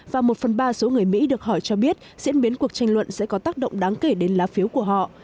và một phần ba số người mỹ được hỏi cho biết diễn biến cuộc tranh luận sẽ có tác động đáng kể đến lá phiếu của họ